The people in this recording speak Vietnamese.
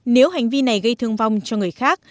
nếu hành vi này gây thương vong cho người khác